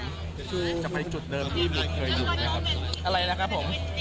จะไปจุดเดิมที่เมย์เคยอยู่ไหมครับอะไรนะครับผม